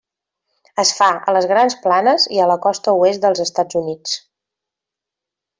Es fa a les Grans Planes i a la costa oest dels Estats Units.